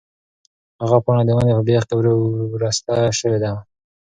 هغه پاڼه د ونې په بېخ کې ورسته شوې وه.